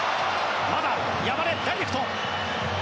まだある山根、ダイレクト！